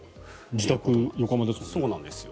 自宅、横浜ですもんね。